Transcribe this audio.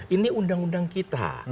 ini undang undang kita